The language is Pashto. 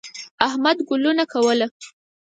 احمد ګلو نه کوله.